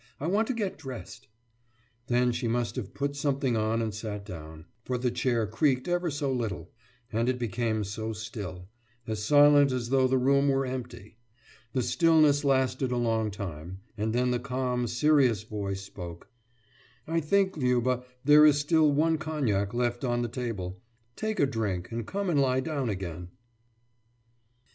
I want to get dressed.« Then she must have put something on and sat down; for the chair creaked ever so little; and it became so still as silent as though the room were empty. The stillness lasted a long time; and then the calm, serious voice spoke: »I think, Liuba, there is still one cognac left on the table. Take a drink and come and lie down again.